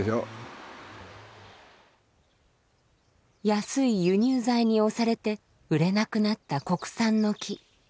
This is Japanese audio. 安い輸入材に押されて売れなくなった国産の木。